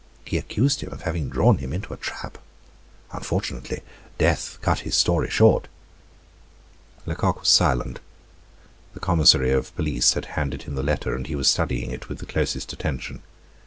He accused him of having drawn him into a trap. Unfortunately, death cut his story short." Lecoq was silent. The commissary of police had handed him the letter, and he was studying it with the closest attention.